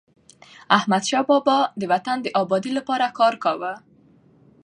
احمدشاه بابا د وطن د ابادی لپاره کار کاوه.